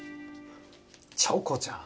チョコちゃん。